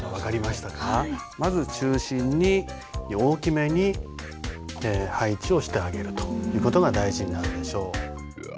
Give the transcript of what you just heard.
まず中心に大きめに配置をしてあげるという事が大事になるでしょう。